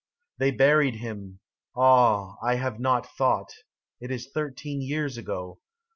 36 THEY buried him — ah, I have not thought It is thirteen years ago.